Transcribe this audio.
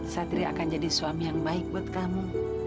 satria akan jadi suami yang baik buat kamu